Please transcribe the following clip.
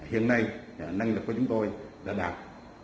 hiện nay năng lực của chúng tôi đã đạt